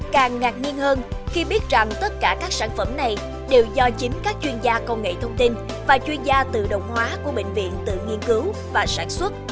càng ngạc nhiên hơn khi biết rằng tất cả các sản phẩm này đều do chính các chuyên gia công nghệ thông tin và chuyên gia tự động hóa của bệnh viện tự nghiên cứu và sản xuất